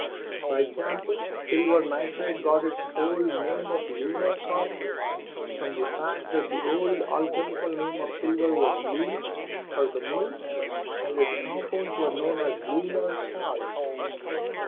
For example, silver nitrate got its old name of lunar caustic from the fact that the old alchemical name of .silver was luna or the moon, and its compounds were known as lunar salts.